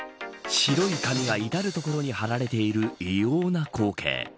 白い紙が至る所に張られている異様な光景。